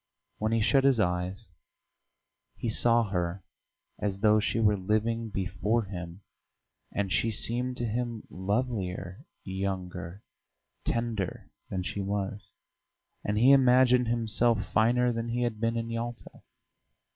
When he shut his eyes he saw her as though she were living before him, and she seemed to him lovelier, younger, tenderer than she was; and he imagined himself finer than he had been in Yalta.